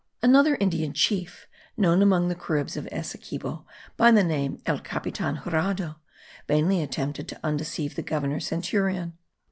Another Indian chief, known among the Caribs of Essequibo by the name El Capitan Jurado, vainly attempted to undeceive the governor Centurion.